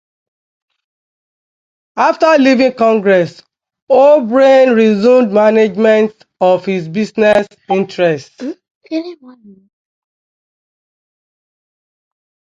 After leaving Congress, O'Brien resumed management of his business interests.